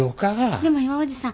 でもいわおじさん。